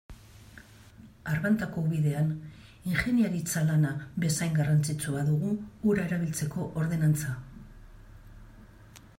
Arbantako ubidean ingeniaritza lana bezain garrantzitsua dugu ura erabiltzeko ordenantza.